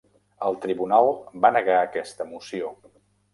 El tribunal va negar aquesta moció.